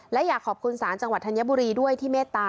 และอยากขอบคุณศาลจังหวัดธัญบุรีด้วยที่เมตตา